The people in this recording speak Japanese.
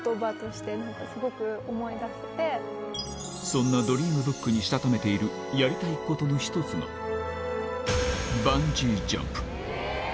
そんなドリームブックにしたためているやりたいことの一つがなんかまた。